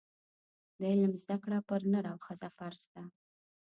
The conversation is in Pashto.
د علم زده کړه پر نر او ښځه فرض ده.